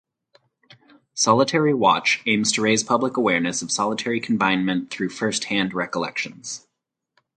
Solitary Watch aims to raise public awareness of solitary confinement through firsthand recollections.